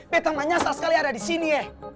betta menyesal sekali ada di sini